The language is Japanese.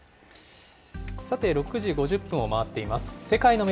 さて、６時５０分を回っています。